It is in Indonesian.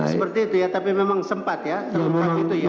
seperti itu ya tapi memang sempat ya